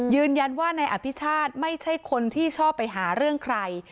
ยืนยันว่านายอภิชาติไม่ใช่คนที่ชอบไปหาเรื่องใคร